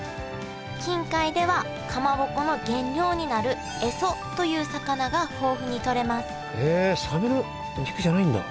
近海ではかまぼこの原料になるエソという魚が豊富にとれますへえ。